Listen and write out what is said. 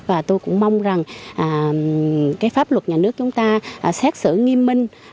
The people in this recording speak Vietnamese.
và tôi cũng mong rằng cái pháp luật nhà nước chúng ta xét xử nghiêm minh